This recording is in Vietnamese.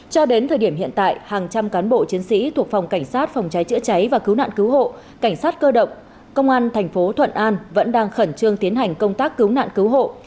cho đến thời điểm hiện tại hàng trăm cán bộ chiến sĩ thuộc phòng cảnh sát phòng cháy chữa cháy và cứu nạn cứu hộ cảnh sát cơ động công an thành phố thuận an vẫn đang khẩn trương tiến hành công tác cứu nạn cứu hộ